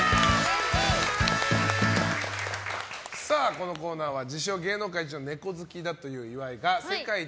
このコーナーは自称芸能界イチのネコ好きだという岩井が世界一